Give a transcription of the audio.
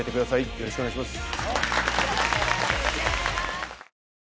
よろしくお願いします